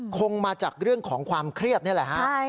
คงมาจากเรื่องของความเครียดนี่แหละฮะ